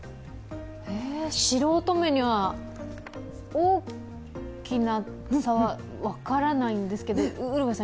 素人目には大きな差は分からないんですけど。